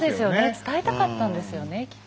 伝えたかったんですよねきっと。